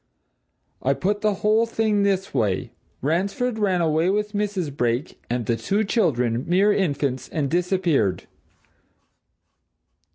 I put the whole thing this way. Ransford ran away with Mrs. Brake and the two children mere infants and disappeared.